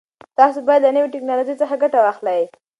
تاسو باید له نوي ټکنالوژۍ څخه ګټه واخلئ.